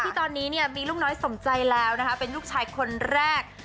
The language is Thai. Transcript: ที่ตอนนี้มีลูกน้อยสมใจแล้วเป็นลูกชายคนแรก